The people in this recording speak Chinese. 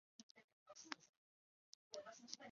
日本偏口蛤是偏口蛤科偏口蛤属的一种。